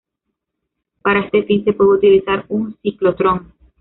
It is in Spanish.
Para este fin se puede utilizar un ciclotrón.